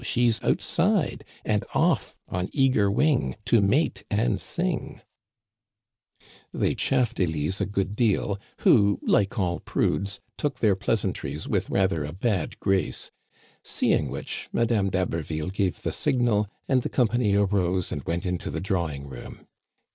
she's outside And off on eager wing To mate and sing." Digitized by VjOOQIC THE FAMILY HEARTH. 265 They chaffed Elise a good deal, who, like all prudes, took their pleasantries with rather a bad grace, seeing which, Madame d*Haberville gave the signal, and the company arose and went into the drawing room.